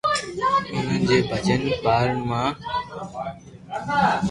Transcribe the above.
انهن جي پنجن ٻارن مان،